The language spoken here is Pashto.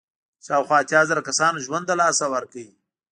شاوخوا اتیا زره کسانو ژوند له لاسه ورکړ.